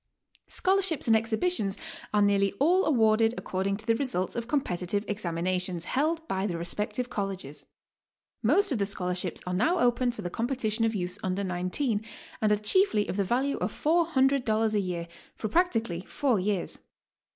Scholarships and exhibitions are nearly all awarded according to the results of competitive examinations, held by the respective Colleges. Most of the scholarships are now open for the c^ipetition of youths under nineteen, and are chiefly of the value of $400 a year for practically four years.